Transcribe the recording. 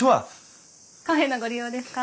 カフェのご利用ですか？